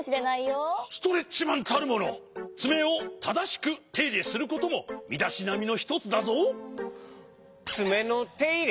ストレッチマンたるものつめをただしくていれすることもみだしなみのひとつだぞ。